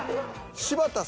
柴田さん